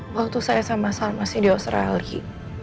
waktu saya sama masih di australia